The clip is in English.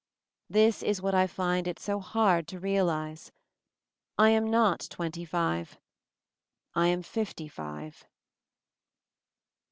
This is what I find it so hard to real ize. I am not twenty five ; I am fifty five.